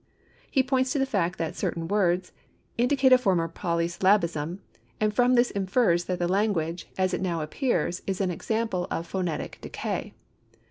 He points to the fact that certain words indicate a former polysyllabism and from this infers that the language as it now appears is an example of phonetic decay.